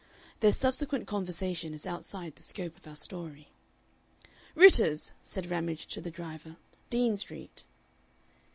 Their subsequent conversation is outside the scope of our story. "Ritter's!" said Ramage to the driver, "Dean Street."